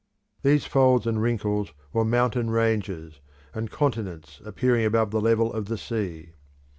These folds and wrinkles were mountain ranges, and continents appearing above the level of the sea.